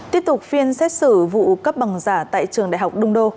tiếp tục phiên xét xử vụ cấp bằng giả tại trường đại học đông đô